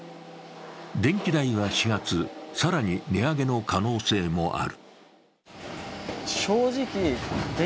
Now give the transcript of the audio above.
電気代は４月、更に値上げの可能性もある。